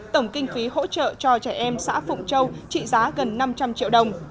tổng kinh phí hỗ trợ cho trẻ em xã phụng châu trị giá gần năm trăm linh triệu đồng